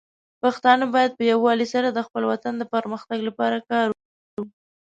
پښتانه بايد په يووالي سره د خپل وطن د پرمختګ لپاره کار وکړي.